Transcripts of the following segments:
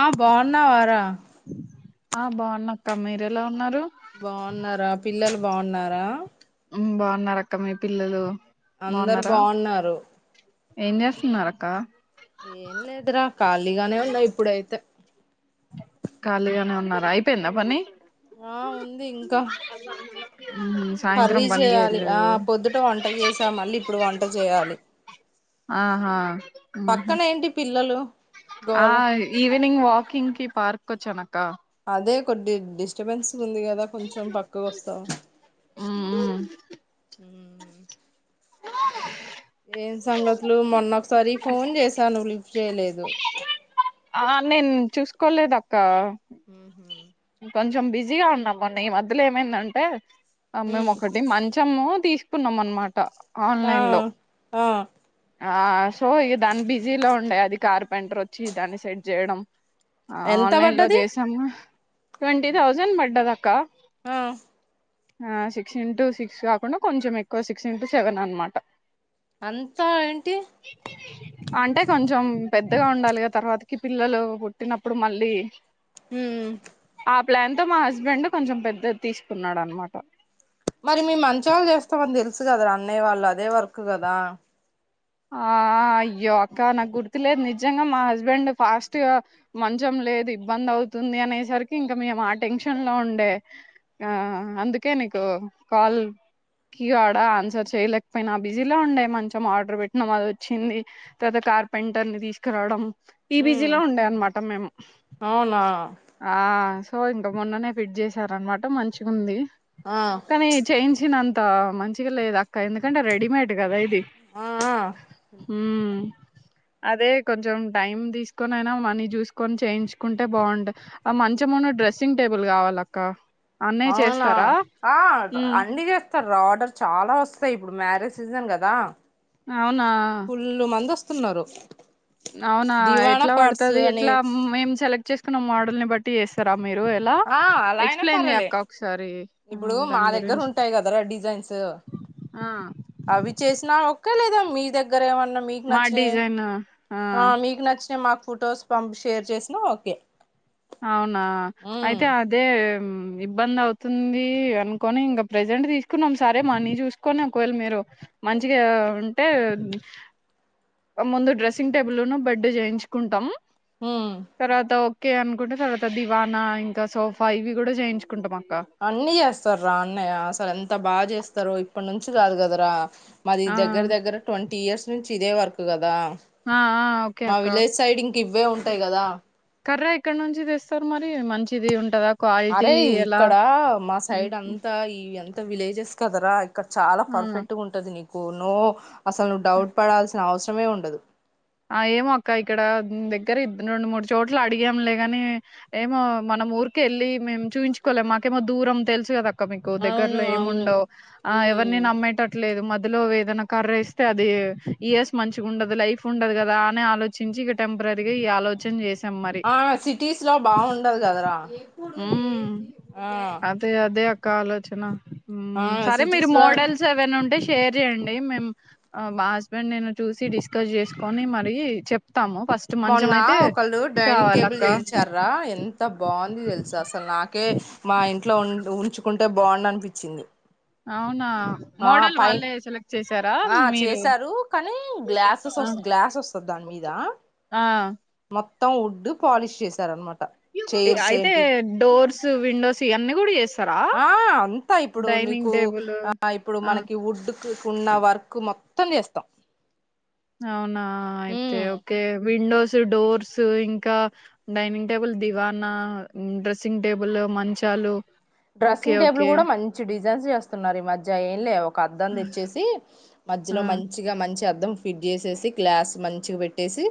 ఆ బాగున్నా వారా ఆ బాగున్నాక్క మీరు ఎలా ఉన్నారు బాగున్నారా పిల్లలు బాగున్నారా హమ్ బాగున్నారు అక్క మీ పిల్లలు అందరు బాగున్నారా బావున్నారు ఏం చేస్తున్నారు అక్క ఏం లేదురా ఖాళీగానే ఉన్నా ఇప్పుడైతే ఖాళీగానే ఉన్నారా అయిపోయిందా పని ఆ అవున్ ఉంది ఇంకా ఉహు, కర్రీ సాయంత్రం పని చేయాలి ఆ చేయలేదు పొద్దుట వంట చేసా మళ్ళీ ఇప్పుడు వంట చేయాలి ఆహా హ్మ్మ్ పక్కన ఏంటి పిల్లలు ఆ గోళ ఈవే నంగ్ వాకింగ్కి పార్క్ వచ్చానక్క అదే కొద్ది డిస్టర్బెన్స్ ఉంది కదా కొంచెం పక్కకు వస్తాం ఉమ్ ఉ [unintelligible] ఏం సంగతులు మొన్న సరీ ఫోన్ చేశాను లిఫ్ట్ చేయలేదు ఆ నేను చూసుకోలేదు అక్కా హ్మ్ కొంచెం బిజీగా ఉన్నాం మొన్న ఈ మధ్యలో ఏమైందంటే మేము మ్మ్. ఒకటి మంచము తీసు కున్నాం అన్నమాట. ఆ ఆన్లైన్ లో ఆ ఆ సో ఇ దాన్ని బిజీలో ఉండేయి అది కార్పెంటర్ వచ్చి దాన్ని సెట్ చేయడం ఆ ఎంత ఆన్లైన్ లో పడ్డది చేసాము. ట్వంటీ థౌజండ్ పడ్డద అక్క ఆ ఆ సిక్స్ ఇంటూ సిక్స్ కాకుండా కొంచెం ఎక్కువ సిక్స్ ఇంటూ సెవెన్ అన్నమాట అంతా ఏంటి అంటే కొంచెం పెద్దగా ఉండాలిగా తర్వాతకి పిల్లలు పుట్టినప్పుడు మళ్ళీ హ్మ్ ఆ ప్లాన్ తో మా హస్బెండ్ కొంచెం పెద్దది తీసుకున్నాడు అనమాట చ్చు కదా అన్నయ్య వాళ్ళు అదే వర్క్ గదా ఆ అయ్యో అక్క నాకు గుర్తు లేదు నిజంగా మా హస్బెండ్ ఫాస్ట్గా మంచం లేదు ఇబ్బంది అవుతుంది అనేసరికి ఇంకా మేము ఆ టెన్షన్ లో ఉండే ఆ అందుకే నీకు కాల్ కి కూడ ఆన్సర్ చేయలేకపోయినా బిజీలో ఉండే మంచం ఆర్డర్ పెట్ నమోదు వచ్చింది తర్వాత కార్పెంటర్ ని తీసుకురావడం ఉమ్ ఈబీజీలో ఉండే అన్నమాట తం మేము అవునా ఆ సో ఇంక మొన్ననే ఫిట్ చేశారన్నమాట మంచిగ ఉంది ఆ కానీ చేయించిన అం ఇంత మంచిగా లేదు అక్క ఎందుకంటే రెడీమేడ్ కదా ఇది ఆ ఆ హ్మ్ అదే కొంచెం టైం తీసుకొని అయినా మనీ చూసుకొని చేయించుకుంటే బావుంట ఆ మంచము ను డ్రెస్సింగ్ టేబుల్ కావాల అక్క ఆ అన్నీ చేస్తారు రా ఆర్డర్ చాలా వస్త అంతే ఇప్పుడు మ్యారేజ్ సీజన్ కదా అవునా స్తున్నారు అవునా ఎట్లా పడుతది ఎట్లా మేము సెలెక్ట్ చేసుకున్నాం మోడల్ని బట్టి టీ చేస్తారా మీరు ఎలా ఆ అలా అయినా ఎక్స్ప్లెయిన్ చెయ్ పర్లే అక్క ఒకసారి ఆ ఇప్పుడు మా దాని దగ్గర గురించి ఉంటాయి కదరా డిజైన్స్ ఆ అవి చేసినా లేదా మీ దగ్గర ఏమన్నా మీకు మా నచ్చినయి డిజైన్ ఆ ఆ మీకు నచ్చ తే మాకు ఫొటోస్ పంప్ షేర్ చేసిన ఓకే అవునా ఉమ్ అయితే అదే ఉమ్ ఇబ్బంది అవుతుంది అనుకొని ఇంకా ప్రజెంట్ తీసుకున్నాం సరే మనీ చూసుకొని ఒకవళ మీరు మంచిగా ఉంటే ముందు డ్రెస్సింగ్ టేబుల్ ను బెడ్డు చేయించుకుంటాము ఉమ్ తర్వాత ఓకే అనుకుంటే తర్వాత దివానా ఇంకా సోఫా ఇవి కూడా చేయించు అన్ని చేస్తారు రా అన్నయ్య అసలు ఎంత బాగా చేస్త ఇస్తారు ఇప్పటి నుంచి కాదు కదరా మాది ఆ దగ్గర దగ్గర ట్వంటీ ఇయర్స్ నుంచి ఇదే వరకు కదా ఆ ఆ ఓకే మా అక్క విలేజ్ సైడింగ్ ఇవ్వే ఉంటాయి కదా కర్ర ఇక్కడ నుంచి తెస్తారు మరి మంచిది ఉంటదా క్వాలిటీ అరే ఎలా ఇక్కడ మా సైడ్ హ్మ్. అంతా ఈ ఎంత విలేజెస్ కదరా ఇక్క చాల ఆ పర్ఫెక్ట్ గా ఉంటుది నీకు కొను అసల నవ్వు డౌట్ పడాల్సిన అవసరం సమయము ఉండదు ఆ ఏమో అక్క ఇక్కడ దగ్గర రెండు మూడు చోట్లు అడిగాంలేగాని ఏమో మనం ఊరికి వెళ్ళి మేము చూయించుకోలేం మాకేమో దూరం తెలుసు కదా అక్క మీకు అవును దగ్గరలో ఏమి అవును ఉండవు ఆ ఉమ్ ఎవరిని నమ్మేటట్లేదు మ్య అందులో వేదనా కర్ర వేస్తే అది ఇయర్స్ మంచి ఉండదు లైఫ్ ఉండదు కదా అని ఆలోచించి ఇక టెం ఆ సిటీస్ లో బాగుండదు కదరా ఉమ్ ఆ అదే అదే అక్క ఆలోచన ఆ సరే మీరు సిటీస్ లో మోడల్స్ ఎవైనా ఉంటే షేర్ చేయండి మేము మా హస్బెండ్ నేను చూసి డిస్కస్ చేసుకొని మరి చెప్ మొన్న ఒకళ్ళు డైనింగ్ టేబుల్ కావాలక్క చేయించార రా ఎంత బాగు తెలుసా అసల్ నాకే మా ఇంట్లో ఉన్ ఉంచు కుంటే బాగుండనిపించింది అవున్ ఆ పై చేసారా ఆ మీరు చేశారు కానీ గ్లాసెస్ వ గ్లాస్ వస్తది దాని మీద ఆ ఆ మొత్ త్తం వుడ్ పాలిష్ చేశారనమాట్ అయితే డోర్స్ విండోస్ ఇవన్నీ కూడా చేస్ ఆ అంతా ఇప్పుడు నీకు టేబుల్ ఆ ఇప్పుడు ఆ మనకి ఉడ్డు కున్న వర్క్ మొత్తం చేస్తాం అవునా అయితే ఉమ్ ఓకే విండోస్ డోర్స్ ఇంకా డైనింగ్ టేబుల్ దివానా డ్రెస్సింగ్ టేబుల్ మంచాలు ఓకే. Dressing table okay. కూడా మంచి డి జైన్స్ చేస్తున్నారు ఈ మధ్య ఏం లే ఒక అద్దం తెచ్చేసి ఆ! మధ్యలో మంచిగా మంచ్ అద్దం ఫిట్ చేసేసి గ్లాస్ మంచిగా పెట్టేసి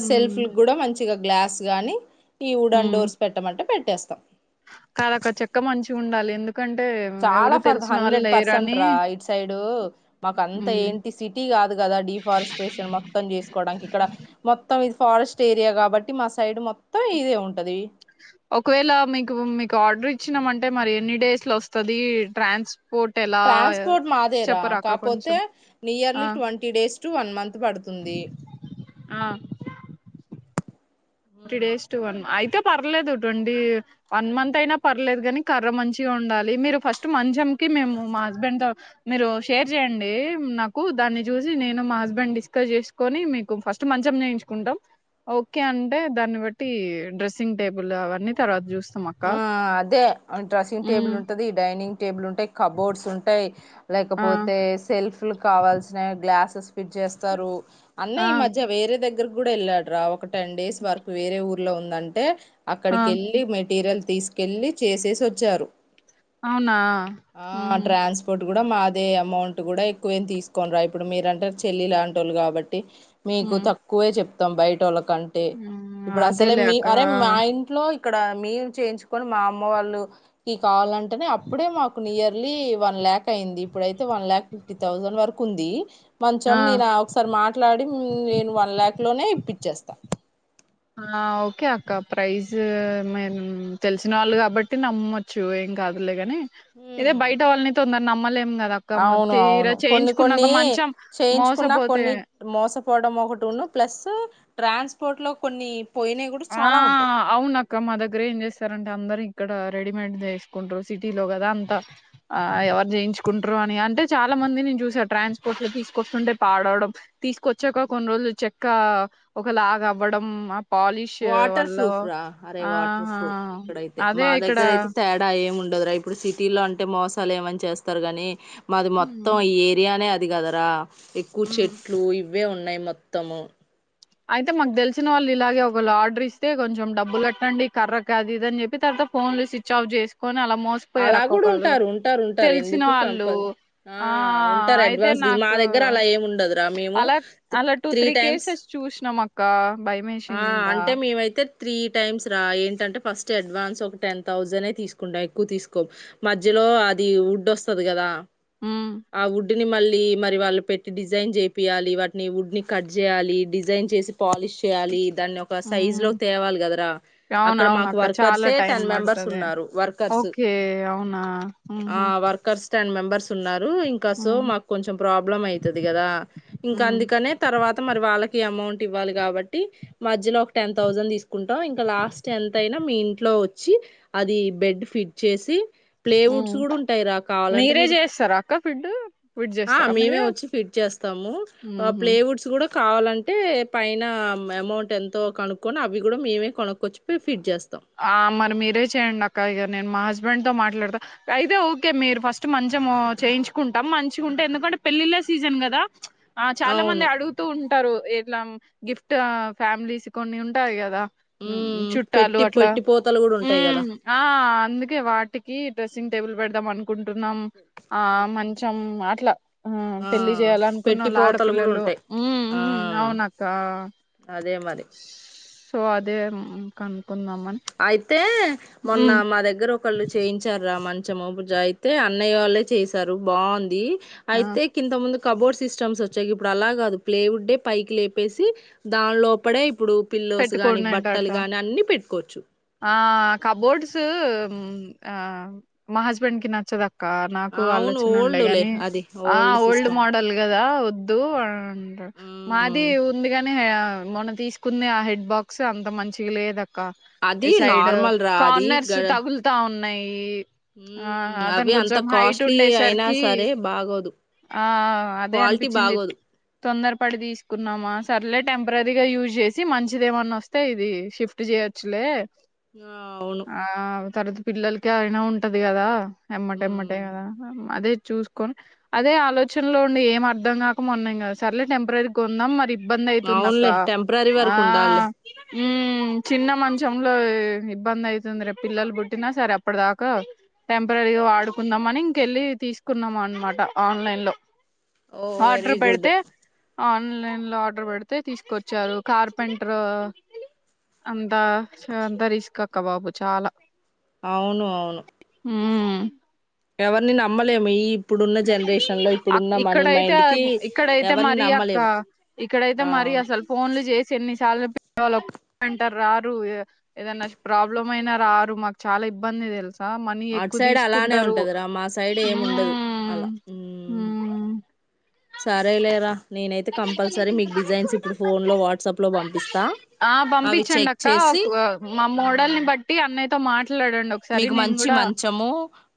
హ్మ్. సెల్ఫ్క్ కూడా మంచిగా గ్లాస్ గాని ఈ ఉడాన్ డోర్స్ పెట్టమంటే పెట్ ట్టేస్తాం కాద ఒక చెక్క మంచిగా ఉండాలి ఎందుక్ చాలా ఫర్ హండ్రెడ్ పర్సెంట్ రా ఇయిట్ సైడూ మాకు అంత హ్మ్. ఏంటి సిటీ కాదు కదా డిఫారెస్టేషన్ మొత్తం చేసుకోవడానికి ఇక్కడ మొత్తం ఇ ఫారెస్ట్ ఏరియా కాబట్టి మా సైడ్ మొత్తం ఇదే ఉంటది ఒకవేళ మీకు మీకు ఆర్డర్ ఇచ్చినామంటే మరి ఎన్ని డేస్ లో వస్తది ట్రాన్స్ ట్రాన్స్పోర్ట్ మాదేరా కాపోతే కొంచెం? ఆ! Nearly twenty days to one month పడుతుంది ఫిఫ్టీ డేస్ టు వన్ అయ్ తే పర్లేదుడొండీ వన్ మంత్ అయినా పర్లేదు కానీ కర్ర మంచిగా ఉండాలి మీరు ఫస్ట్ మంచంకి మేము మా హస్బెండ్ తో మీరు షేర్ చేయండి నాకు దాన్ని చూసి నేను మా హస్బెండ్ డిస్కస్ చేసుకొని మీకు ఫస్ట్ మంచం చేేయించుకుంటాం ఓకే అ టే దాన్ని బట్టి డ్రెస్సింగ్ టేబుల్ అవన్నీ తర్వాత చూస్ ఆ అదే డ్రెస్సింగ్ ఉమ్ టేబుల్ ఉంటది డైనింగ్ టేబుల్ ఉంటాయి కబోర్డ్స్ ఉంటాయి ఆ లేకపోతే సెల్ఫ్ లు కావాల్సినవి గ్లాసెస్ ఫిట్ చేస్తారు అన్న ఆ ఈ మధ్య వేరే దగ్గర్ కూడా వెళ్ళాడు రా ఒకట్ టెన్ డేస్ వరక్ వేరే ఊర్ లో ఉందంటే ఆ అక్కడికి వెళ్ళి మెట్ మెటీరియల్ తీసుకెళ్లి చేసేసి వచ్చారు అవునా హ ఆ ట్రాన్స్పోర్ట్ కూడా మాదే అమౌంట్ కూడా ఎక్కువే తీసుకోని రా ఇప్పుడు మీరంటే చెల్లి లాంటి వాళు కాబట్టి మీకు ఉమ్ తక్కువే చెప్ తం బయట లక్ కంటే ఉమ్, ఇప్పుడు అసలే అదేలే మీ అక్క అరే మా ఇంట్లో ఇక్కడ మేము చేయించుకొని మా అమ్మ వాళ్ళు ఈ కావాలంటే అప్పుడే మాకు నియర్ లీ వన్ లాక్ అయింది ఇప్పుడైతే వన్ లాక్ ఫిఫ్టీ థౌజండ్ వరకు ఉంది మంచం ఆ నేను ఒకసారి మాట్లాడి నేను వన్ ల్యాక్ లోనే ఇప్పించేస్తా ఓకే అక్క ప్రైస్ మేము తెలిసిన వాళ్ళు కాబట్టి నమ్మచ్చు ఏం కాదులే కాని ఇదే బయట వాళ్ళని తొండ నమ్లే అవును అవును కొన్ని కొన్ని మంచం చేయించుకున్నా మోసపోతే కొన్ని మోసం పోవడం ఒకటి ఉన్న ప్లస్ ట్రాన్స్పోర్ట్ లో కొన్ని పోయినవి కూడా ఆ చాలా ఉంటాయి అవున అక్క మా దగ్గర ఏం చేస్తారంటే అందరి ఇక్కడ రెడీమేడ్ చేసుకుంటారు సిటీలో కదా అంత ఆ ఎవరు చేయించుకుంట్రారు అని అంటే చాలా మంది నేను చూసా ట్రాన్స్పోర్ట్ లో తీసుకొస్తుంటే పాడవడం తీసుకొచ్చాక కొన్ని రోజులు చెక్క ఒక లాగ అవ్వడం ఆ పాలిష్ వాటర్ వల్ల ప్రూఫ్ రా అరే వాటర్ ఆహా ప్రూఫ్ ఇక్కడైతే మా అదే ఇక్కడ దగ్గర అయితే తేడా ఏముండ రా ఇప్పుడు సిటీలో అంటే మోసాలు ఏమని చేస్తారు గాని మాది మొత్తం హ్మ్ ఈ ఏరియానేది ది కదరా ఎక్కువ హ్మ్ చెట్లు ఇవి ఇవే ఉన్నాయి మొత్తము అయితే మాకు తెలిసిన వాళ్ళు ఇలాగే ఒకళ ఆర్డర్ ఇస్తే కొంచెం డబ్బులు కట్టండి కర్ర కాదు ఇద అని చెప్పి తర్వాత ఫోన్లు స్విచ్ ఆఫ్ చేసుకు అలా కూడా ఉంటారు ఉంటారు ఉంటారు తెలిసిన ఎందుకు వాళ్ళు కంపల్ ఆ ఉంటారు అయితే అడ్వాన్స్ మా నాకు దగ్గర అలా ఏమి ఉండదురా మేము త్రీ త్రీ టైమ్స్ కృష్ణమక్క ఆ అంటే మేమైతే త్రీ టైమ్స్ రా ఏంటంటే ఫస్ట్ అడ్వాన్స్ ఒక టెన్ థౌజండే తీసుకుంటాం ఎక్కువ తీసుకొం మధ్యలో అది వుడ్ వస్తది కదా హ్మ్ అవు వుడ్ ని మళ్ళీ మరి వాళ్ళు పెట్టి డిజైన్ చేపియాలి వాటిని వుడ్ ని కట్ చేయాలి డిజైన్ చేసి పాలిష్ పూయాలిన్ దాన్ని ఒక హ్మ్ సైజులోకి తేవాలి కదరా అక్కడ మాకు అవునవునక్క వర్కర్స్ చాలా టైం టెన్ మెంబర్స్ పడుతది ఉన్నారు వర్కర్స్ ఓకే అవునా ఆ ఊహూ వర్కర్స్ టెన్ మెంబర్స్ ర్స్ ఉన్నా రు ఇంకా సో హ్మ్ మాకు కొంచెం ప్రాబ్లం అయితది కదా ఇంకా హ్మ్ అందుకనే తర్వాత మరి వాళ్ళకి అమౌంట్ ఇవ్వాలి కాబ ట్టి మధ్యలో ఒక టెన్ తౌస్సండ్ తీసుకుంటాం, ఇంకా లాస్ట్ ఎంత అయినా మీ ఇంట్లో వచ్చి అది బెడ్ ఫిట్ చేసి ప్లేవుడ్స్ హ్మ్ కూడా ఉంటాయి రా కావాలంటే మీరే మీరు చేస్తారా అక్క ఫిడ్ ఫిడ్ ఆ చేస్తారా మేమే మీరే వచ్చి ఫిట్ చేస్తాము, ఊహూ ప్లేవుడ్స్ కూడా కావాలం అంటే పైన అమౌంట్ ఎంతో కనుక్కొని అవి కూడా మేమే కొనక్కొచ్చియి ఫిట్ చేస్ ఆ మరి మీరే చేయండి అక్క ఇగ నేను మ హజ్ స్బెండ్ తో మాట్లాడతా అయితే ఓకే మీరు ఫస్ట్ మంచం చేయించుకుంటాం మంచిగా ఉంటే ఎందుకంటే పెళ్ళిళ్ళ సీజన్ కదా ఆ చాలా మంది అవును అడుగుతూ ఉంటరు. ఎట్లా గిఫ్ట్ ఫ్యామిలీస్ కొన్ని ఉంటాయి కదా ఉ పెట్టి పె హ్ ఆ అందుకే వాటికి డ్రెసింగ్ టేబుల్ పెడదామను కుంటున్నాం, ఆ మంచం ఇట్లా ఆ పెళ్లి చేయాలనుకున్న వాళ్ళు పెట్టిపోతలు కూడా ఆడపిల్లలు ఉంటాయి ఉ ఆ ఉ అవునక్కా అదే మరి సో అదే కను అయితే మొన్న ఉమ్ మా దగ్గర ఒకళ్ళు చేయించారు రా మ చ్చము పూజ అయితే అన్నయ్య వాళ్ళే చేశారు బావుంది. ఆ అయితే కింత ముందు కబోర్డ్ సిస్టమ్స్ వచ్చాయి ఇప్పుడు అలా కాదు ప్లే ఉడ్డే పైకి లేపేసి దాని లోపడే ఇప్పుడు పిల్లోస్ కాని, పెట్టుకునేటట బట్టలు కాని అన్ని పెట్టుకోవచ్చు. ఆ కబోర్డ్స్ ఆ మా హస్బెండ్ కి నచ్చదు అక్క నాకు అవును ఆలోచన ఉండే ఓల్డ్లే గాని అది ఆ ఓల్డ్ సిస్టమ్ మోడల్ కదా వద్దు అ మాది ఉమ్ ఉంది కాని మనం తీసుకు కుంది ఆ హెడ్ బాక్స్ అంత మంచిగా లేదు అ క్కా ఈ అది సైడ్ నార్మల్ రా కార్నర్స్ తగులుతా ఉన్నాయి. ఈ ఉ అవి అంత కాస్ట్లీఅయినా ఉండేసరికి సరే బాగోదు, ఆ అదే క్వాలిటీ అనిపించింది బాగోదు. తొందరపడి తీసుకున్నామా సర్లే టెంపరీగా యూజ్ చేసి మంచిదేమన్నా వస్తే ఇది షిఫ్ట్ చేయొచ్చులే ఆ అవును. ఆ! తర్వాత పిల్లలకి అయినా ఉంటది కదా. ఎమ్మట ఎమ్మటే మ్మ్ అదా అది చూసుకోని అదే ఆలోచనలో ఉండి ఏం అర్థం కాక మొన్న ఇంగ సార్లేే టెంపరరీ గా కొందాం మరి ఇబ్బంది అయితుంది అక్క రరి వర్కు ఉండాళ్లే ఉ చిన్న మంచంలో ఇబ్బంది అయితుంది రేపు పిల్లలు పుట్టినా సరే అప్పటిదాకా టెంపర్రరీగా వాడుకుందాం అని ఇంకెళ్ళి తీసుకున్నాం అన్నమాట ఆన్లైన్ లో ఓ వెరీ ఆర్డర్ గుడ్ పెడితే ఆన్లైన్ లో ఆర్డర్ పెడితే తీసుకొచ్చారు కార్పెంటర్ అంతా అంత రిస్క్ అక్క బాబు చాలా అవును అవును హ్మ్మ్ ఎవరిని నమ్మలేము ఈ ఇప్పుడున్న జనరేషన్ లో ఇప్పుడున్న మనీ ఇక్కడైతే మైండ్ కి ఇక్కడైతే ఎవరిని మరి అక్క నమ్మలేము ఇక్కడైతే ఆ మరి అసలు ఫోన్లు చేసి ఎన్నిసార్లు వాళ్ళు ఒ వింటారు రారు ఏదనా ప్రాబ్లమ్ అయినా రారు మాకు చాలా ఇబ్బంది తెలుసు మనీ అటు ఎక్కువ సైడ్ అలానే తీసుకుంటరు ఉంటదిరా మా సైడ్ ఏమి ఉండదు అలా ఉ సరేలేరా ని లో వాట్సాప్ లో పంపిస్తా ఆ అవి పంపించండి చెక్ అక్క చేసి ఒక మా మోడల్ని మ్మ్ బట్టి అన్నయి తో మాట్ మీకు మంచి మంచము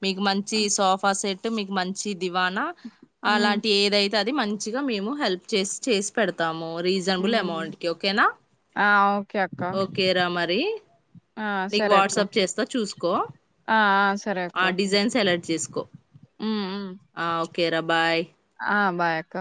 మీకు మంచి సోఫా సెట్ అ మీకు మంచి దివానా మ్మ్ అలాంటి ఏదైతే అది మంచిగా మేము హెల్ప్ చేసి చేసి పెడతాము రీసనబుల్ మ్మ్ అమౌంట్ కీ ఒకే నా ఆ ఓకే అక్క ఓకే ర మరి ఆ నీకు సరే అక్క వాట్సప్ చేస్తా చూసుకో ఆ ఆ సరే అక్క ఆ డిజైన్ సెలక్ట్ చేసుకో మ్మ్ మ్మ్ ఆ ఓకే కెర బాయ్ ఆ బాయ్ అక్క